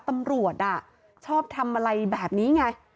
ตำรวจชอบทำอะไรแบบนี้ไง